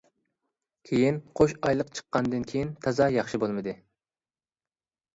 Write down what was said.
كېيىن قوش ئايلىق چىققاندىن كېيىن تازا ياخشى بولمىدى.